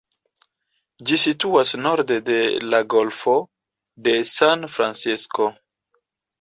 Ĝi situas norde de la Golfo de San-Francisko.